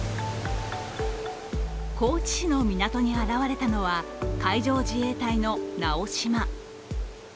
高知市の港に現れたのは、海上自衛隊の「なおしま」。